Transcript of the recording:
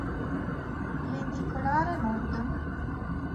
Lenticolare Mod.